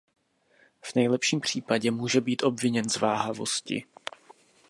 V nejlepším případě může být obviněn z váhavosti.